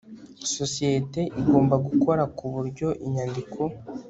Sosiyete igomba gukora ku buryo inyandiko